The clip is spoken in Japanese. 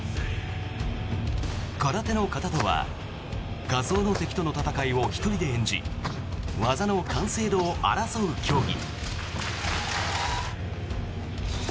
空手の形とは仮想の敵との戦いを１人で演じ技の完成度を争う競技。